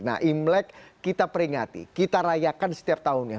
nah imlek kita peringati kita rayakan setiap tahunnya